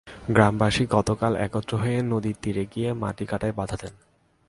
গ্রামবাসী গতকাল একত্র হয়ে নদীর তীরে গিয়ে মাটি কাটায় বাধা দেন।